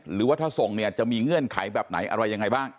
หรือว่าถ้าส่งเนี่ยจะมีเงื่อนไขแบบไหนอะไรยังไงบ้าง